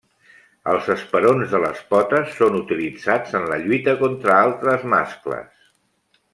Els esperons de les potes són utilitzats en la lluita contra altres mascles.